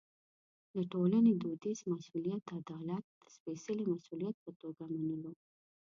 د ټولنې دودیز مسوولیت عدالت د سپېڅلي مسوولیت په توګه منلو.